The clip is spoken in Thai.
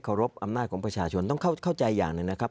รบอำนาจของประชาชนต้องเข้าใจอย่างหนึ่งนะครับ